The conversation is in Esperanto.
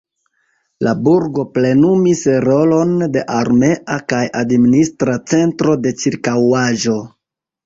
La burgo plenumis rolon de armea kaj administra centro de ĉirkaŭaĵo.